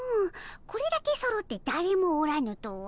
これだけそろってだれもおらぬとは。